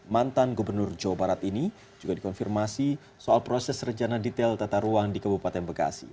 mantan gubernur jawa barat ini juga dikonfirmasi soal proses rencana detail tata ruang di kabupaten bekasi